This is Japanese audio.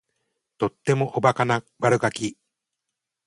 とってもおバカな悪ガキ